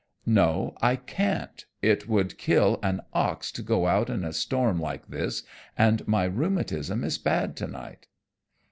"No, I can't, it would kill an ox to go out in a storm like this, and my rheumatism is bad tonight."